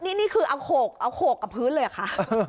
นี่คือเอาโขกเอาโขกกับพื้นเลยเหรอคะ